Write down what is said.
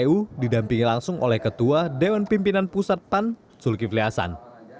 kpu didampingi langsung oleh ketua dewan pimpinan pusat pan zulkifli hasan